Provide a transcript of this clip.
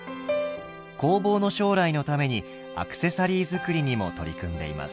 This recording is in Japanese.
工房の将来のためにアクセサリー作りにも取り組んでいます。